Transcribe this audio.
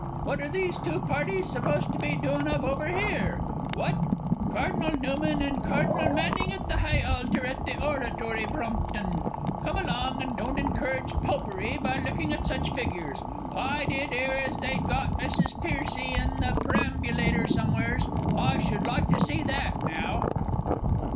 What are these two parties supposed to be doin' of over here? What Cardinal Newman and Cardinal Manning at the High Altar at the Oratory, Brompton! Come along, and don't encourage Popery by looking at such figures. I did 'ear as they'd got Mrs. Pearcey and the prambilator somewheres. I should like to see that, now."